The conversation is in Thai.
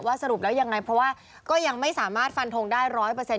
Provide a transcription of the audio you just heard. ว่าสรุปแล้วยังไงเพราะว่าก็ยังไม่สามารถฟันทงได้ร้อยเปอร์เซ็นต์